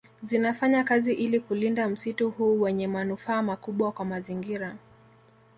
Zinafanya kazi ili kulinda msitu huu wenye manufaa makubwa kwa mazingira